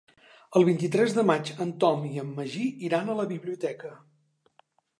El vint-i-tres de maig en Tom i en Magí iran a la biblioteca.